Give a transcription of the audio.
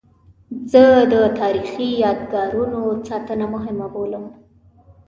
زه د تاریخي یادګارونو ساتنه مهمه بولم.